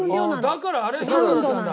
だからあれヒントなんだ。